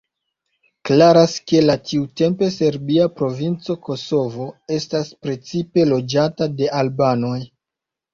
Klaras ke la tiutempe serbia provinco Kosovo estas precipe loĝata de albanoj.